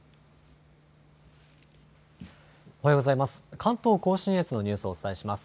おはようございます。